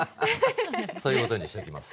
そういうことにしときます。